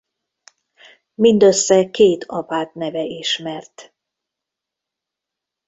Mindössze két apát neve ismert.